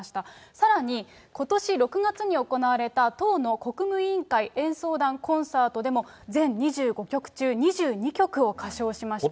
さらにことし６月に行われた、党の国務委員会演奏団コンサートでも、全２５曲中２２曲を歌唱しました。